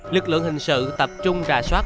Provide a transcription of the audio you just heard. lực lượng hình sự tập trung ra soát